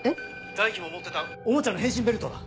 大樹も持ってたおもちゃの変身ベルトだ。